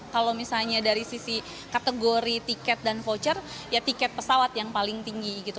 kalau misalnya dari sisi kategori tiket dan voucher ya tiket pesawat yang paling tinggi gitu